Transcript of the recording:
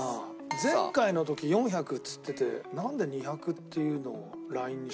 前回の時４００っつっててなんで２００っていうのをラインにしたのかな。